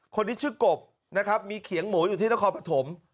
คนนี้ชื่อกบนะครับมีเขียงหมูอยู่ที่นครปฐม